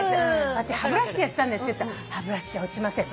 「私歯ブラシでやってたんです」って言ったら「歯ブラシじゃ落ちません」